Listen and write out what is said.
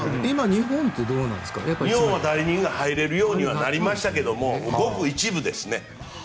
日本も代理人が入れるようにはなりましたけどもごく一部ですね。